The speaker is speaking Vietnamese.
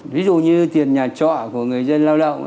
ví dụ như tiền nhà trọ của người dân lao động